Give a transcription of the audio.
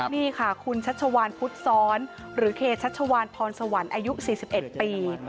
นี่ค่ะคุณชัชวานพุทธซ้อนหรือเคชัชวานพรสวรรค์อายุ๔๑ปี